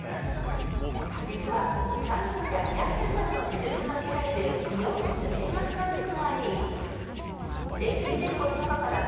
「実はシャンプーやヘアケアなどの施術が受けられる美容室定額サービスがあり」